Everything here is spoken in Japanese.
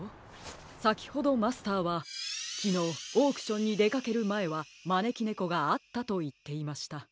さきほどマスターはきのうオークションにでかけるまえはまねきねこがあったといっていました。